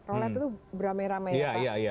rolet itu beramai ramai ya pak